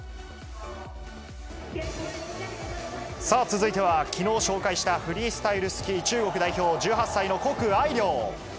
さあ、続いてはきのう紹介したフリースタイルスキー、中国代表、１８歳の谷愛凌。